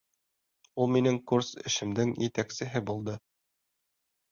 Ул минең курс эшемдең етәксеһе булды.